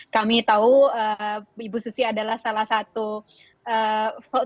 kami tahu ibu susi adalah seorang yang sangat berkembang